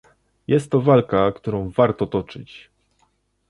Jest to walka, którą warto toczyć